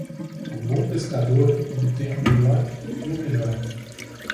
O bom pescador obtém o melhor e o melhor.